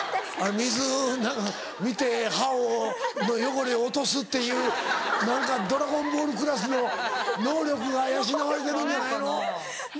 水見て歯の汚れを落とすっていう何かドラゴンボールクラスの能力が養われてるんじゃないの？